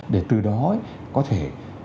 để từ đó có thể